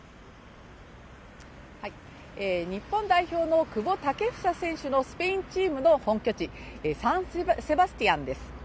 日本代表の久保建英選手のスペインチームの本拠地、サン・セバスティアンです。